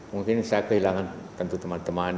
mungkin saya kehilangan tentu teman teman